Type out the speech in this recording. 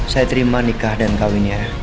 saya terima nikah dan kawinnya